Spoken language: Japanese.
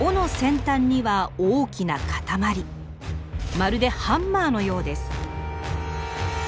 まるでハンマーのようです。